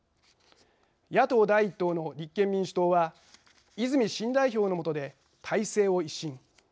野党第１党の立憲民主党は泉新代表の下で体制を一新。